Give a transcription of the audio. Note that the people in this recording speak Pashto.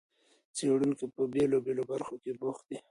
څېړونکي په بېلابېلو برخو کې بوخت دي.